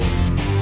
saya yang menang